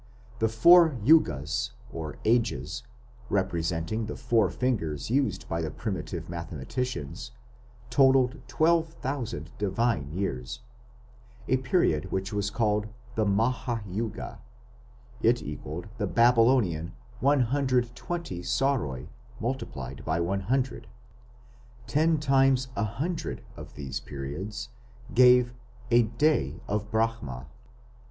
The four Yugas or Ages, representing the four fingers used by the primitive mathematicians, totalled 12,000 divine years, a period which was called a Maha yuga; it equalled the Babylonian 120 saroi, multiplied by 100. Ten times a hundred of these periods gave a "Day of Brahma".